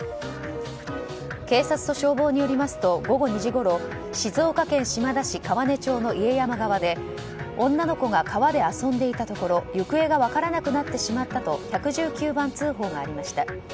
警察と消防によりますと午後２時ごろ静岡県島田市川根町の家山川で女の子が川で遊んでいたところ行方が分からなくなってしまったと１１９番通報がありました。